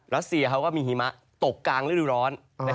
แล้ว๔เขาก็มีหิมะตกกลางฤดูร้อน